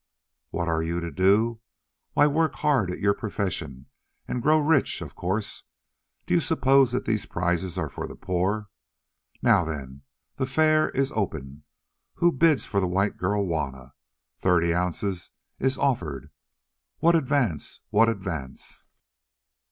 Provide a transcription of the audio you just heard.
"What are you to do? Why, work hard at your profession, and grow rich, of course! Do you suppose that these prizes are for the poor? Now then, the fair is open. Who bids for the white girl Juanna? Thirty ounces is offered. What advance, what advance?"